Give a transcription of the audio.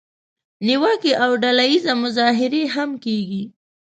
نیوکې او ډله اییزه مظاهرې هم کیږي.